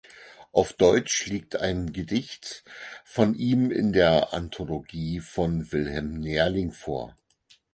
Auf Deutsch liegt ein Gedicht von ihm in der Anthologie von Wilhelm Nerling vor.